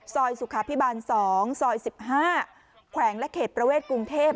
สุขาพิบาล๒ซอย๑๕แขวงและเขตประเวทกรุงเทพ